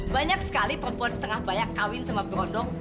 banyak sekali perempuan setengah banyak kawin sama berondong